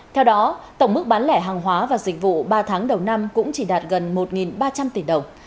theo đó tổng mức bán lẻ hàng hóa và dịch vụ ba tháng đầu năm cũng chỉ đạt gần một ba trăm linh tỷ đồng